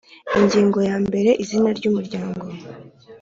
Ingingo ya mbere Izina ry Umuryango